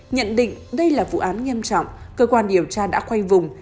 nhận định đây là vụ án nghiêm trọng cơ quan điều tra đã khoanh vùng